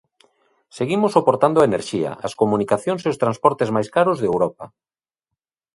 Seguimos soportando a enerxía, as comunicacións e os transportes máis caros de Europa.